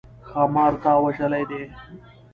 ښامار تا وژلی دی؟